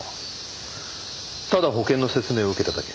ただ保険の説明を受けただけ？